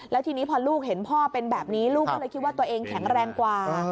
แล้วทีนี้พอลูกเห็นพ่อเป็นแบบนี้ลูกก็เลยคิดว่าตัวเองแข็งแรงกว่า